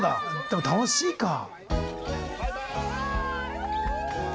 でも楽しいか。